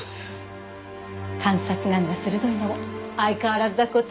観察眼が鋭いのも相変わらずだこと。